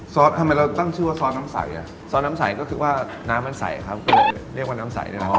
ทำไมเราตั้งชื่อว่าซอสน้ำใสอ่ะซอสน้ำใสก็คือว่าน้ำมันใสครับก็เลยเรียกว่าน้ำใสแน่นอน